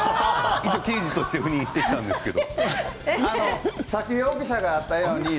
一応、刑事として赴任してきたんですけれど。